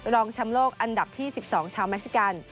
รองแชมป์โลกอันดับที่๑๒ชาวเม็กซิกัน